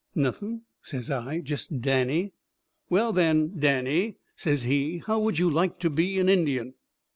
"Nothing," says I, "jest Danny." "Well, then, Danny," says he, "how would you like to be an Indian?"